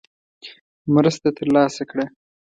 مرسته ترلاسه کړه.